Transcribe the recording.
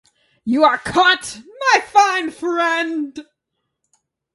You are caught, my fine friend!